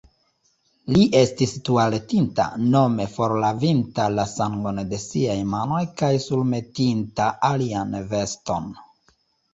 Li estis tualetinta, nome forlavinta la sangon de siaj manoj kaj surmetinta alian veston.